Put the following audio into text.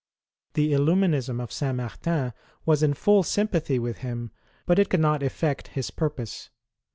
The llluminism of Saint Martin was in full sympathy with him, but it could not effect his purpose.